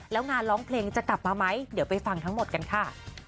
แล้วงานร้องเพลงจะกลับมาไหมเดี๋ยวไปฟังทั้งหมดกันค่ะ